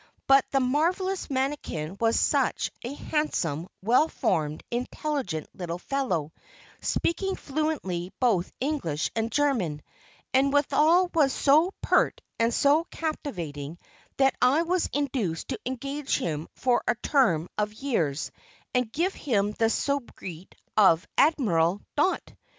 But the marvelous manikin was such a handsome, well formed, intelligent little fellow, speaking fluently both English and German, and withal was so pert and so captivating, that I was induced to engage him for a term of years and gave him the soubriquet of "Admiral Dot."